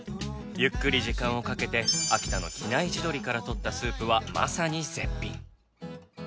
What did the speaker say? ゆっくり時間をかけて秋田の比内地鶏からとったスープはまさに絶品。